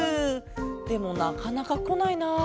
でもなかなかこないな。